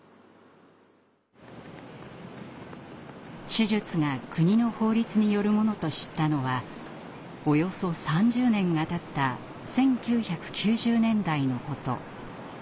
手術が国の法律によるものと知ったのはおよそ３０年がたった１９９０年代のこと。